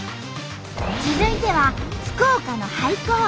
続いては福岡の廃校。